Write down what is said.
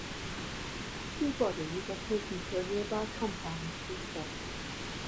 Two bodies are taken to a nearby compound to be studied.